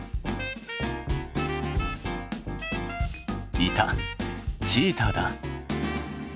いたチーターだ！